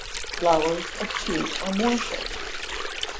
Flowers of Two or More Shades.